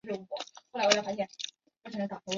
谢谢你们让我们办了自己的音乐祭！